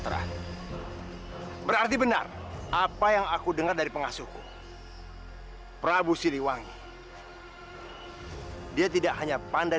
terima kasih benar apa yang aku dengar dari pengasuhku prabu siliwangi dia tidak hanya panda